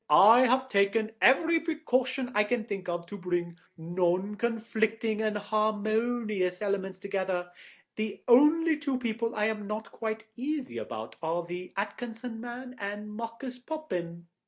I have taken every precaution I can think of to bring non conflicting and harmonious elements together; the only two people I am not quite easy about are the Atkinson man and Marcus Popham.